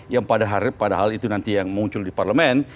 yang padahal itu nanti yang muncul di parlemen